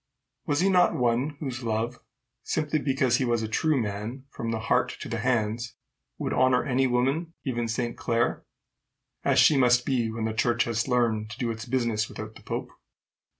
Was he not one whose love, simply because he was a true man from the heart to the hands, would honor any woman, even Saint Clare as she must be when the church has learned to do its business without the pope?